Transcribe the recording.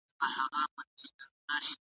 له آشنا لاري به ولي راستنېږم